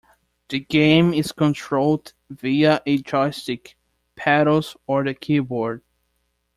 The game is controlled via a joystick, paddles, or the keyboard.